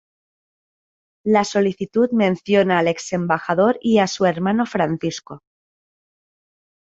La solicitud menciona al exembajador y a su hermano Francisco.